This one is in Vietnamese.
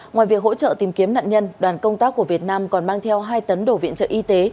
ngoài việc hỗ trợ tìm kiếm nạn nhân đoàn công tác của việt nam còn mang theo hai tấn đổ viện trợ y tế